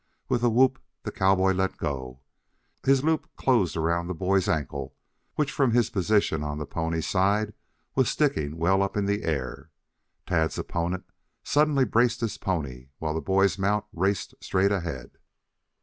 With a whoop the cowboy let go. His loop closed around the boy's ankle which from his position on the pony's side, was sticking well up in the air. Tad's opponent, suddenly braced his pony, while the boy's mount raced straight ahead.